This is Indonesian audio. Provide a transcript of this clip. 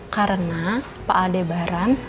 karena pak aldebaran